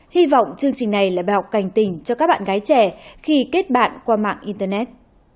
hy vọng chương trình này là bài học cành tình cho các bạn gái trẻ khi kết bạn qua mạng internet